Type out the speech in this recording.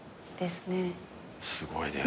すごいね。